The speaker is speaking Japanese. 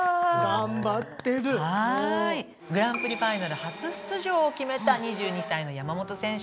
グランプリファイナル初出場を決めた２２歳の山本選手。